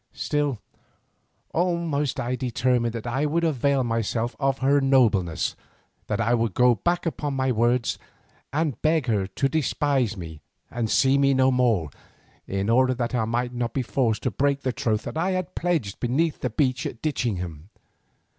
Still, almost I determined that I would avail myself of her nobleness, that I would go back upon my words, and beg her to despise me and see me no more, in order that I might not be forced to break the troth that I had pledged beneath the beech at Ditchingham.